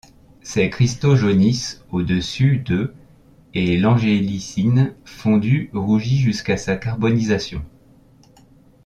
Ces cristaux jaunissent au-dessus de et l'angélicine fondue rougit jusqu'à sa carbonisation.